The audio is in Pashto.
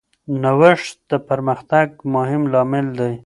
نوښت د پرمختګ مهم لامل دی.